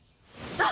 あっ！